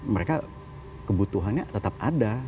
mereka kebutuhannya tetap ada